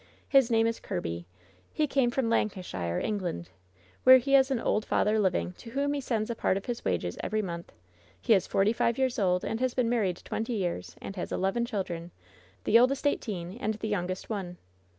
His name is Kirby. He came from Lancashire, England, where he has an old father living, to whom he sends a part of his wages every month. He is forty five years old, and has been married twenty years, and has eleven children, the oldest eight een and the youngest one.